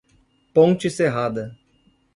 Ponte Serrada